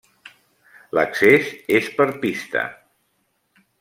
L'accés és per pista.